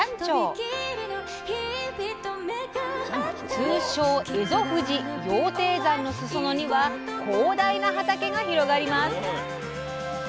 通称えぞ富士羊蹄山の裾野には広大な畑が広がります。